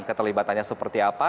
keterlibatannya seperti apa